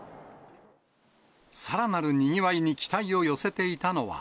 さらなるにぎわいに期待を寄せていたのは、